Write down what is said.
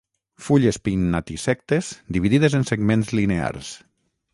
Fulles pinnatisectes dividides en segments linears.